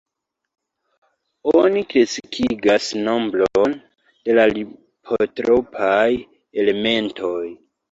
Oni kreskigas nombron de lipotropaj elementoj.